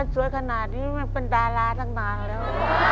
สวยขนาดนี้มันเป็นดาราตั้งนานแล้ว